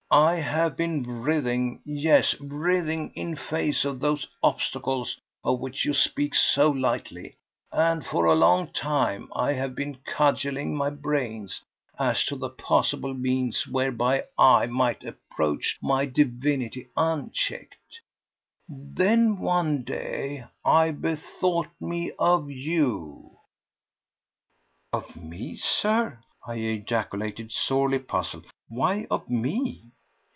I have been writhing—yes, writhing!—in face of those obstacles of which you speak so lightly, and for a long time I have been cudgelling my brains as to the possible means whereby I might approach my divinity unchecked. Then one day I bethought me of you—" "Of me, Sir?" I ejaculated, sorely puzzled. "Why of me?"